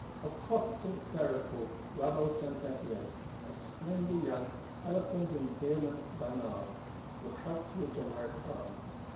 A Protestant clerical Rabaut St. Etienne, a slender young eloquent and vehement Barnave, will help to regenerate France.